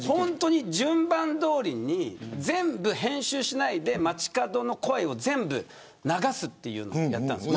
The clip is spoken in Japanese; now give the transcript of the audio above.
順番通りに全部編集しないで街角の声を全部流すというのをやったんです。